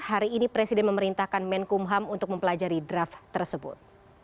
hari ini presiden memerintahkan menkumham untuk mempelajari draft tersebut